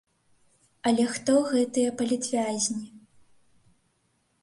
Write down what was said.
Але хто гэтыя палітвязні?